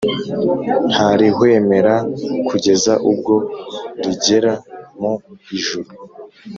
ntarihwemera kugeza ubwo rigera mu ijuru;